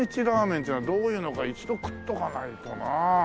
っちゅうのはどういうのか一度食っておかないとなあ。